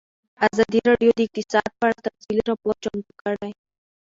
ازادي راډیو د اقتصاد په اړه تفصیلي راپور چمتو کړی.